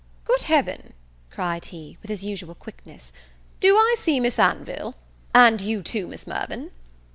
"Good Heaven," cried he, with his usual quickness, "do I see Miss Anville ? and you too, Miss Mirvan?"